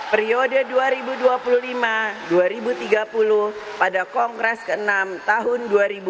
periode dua ribu dua puluh lima dua ribu tiga puluh pada kongres ke enam tahun dua ribu dua puluh